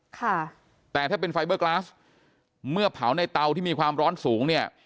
ค่ะแต่ถ้าเป็นไฟเบอร์กลาสเมื่อเผาในเตาที่มีความร้อนสูงเนี่ย